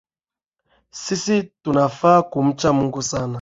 Sisi tunafaa kumcha Mungu sana